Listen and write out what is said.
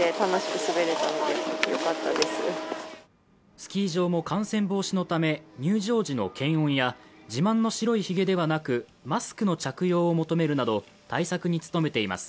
スキー場も感染防止のため入場時の検温や自慢の白いひげではなく、マスクの着用を求めるなど対策に努めています。